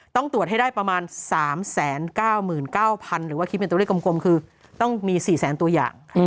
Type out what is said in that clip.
ต้องตรวจให้ได้ประมาณ๓๙๙๐๐หรือว่าคิดเป็นตัวเลขกลมคือต้องมี๔แสนตัวอย่าง